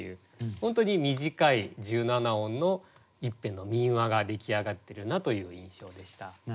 本当に短い１７音の一編の民話が出来上がってるなという印象でした。